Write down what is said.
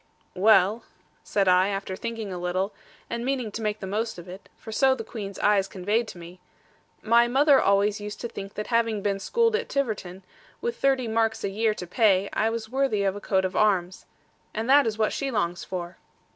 'Well,' said I, after thinking a little, and meaning to make the most of it, for so the Queen's eyes conveyed to me; 'my mother always used to think that having been schooled at Tiverton, with thirty marks a year to pay, I was worthy of a coat of arms. And that is what she longs for.'